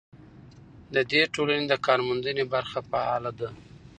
د دې ټولنې د کارموندنې برخه فعاله ده.